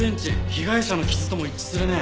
被害者の傷とも一致するね。